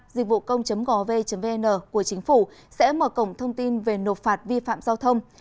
dịchvucông gov vn của chính phủ sẽ mở cổng thông tin về nộp phạt vi phạm giao thông